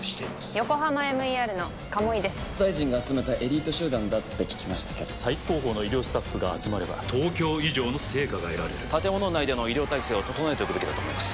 ＹＯＫＯＨＡＭＡＭＥＲの鴨居です・大臣が集めたエリート集団だって聞きましたけど最高峰の医療スタッフが集まれば東京以上の成果が得られる建物内での医療体制を整えておくべきだと思います